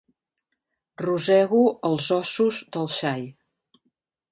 Rosego els ossos del xai.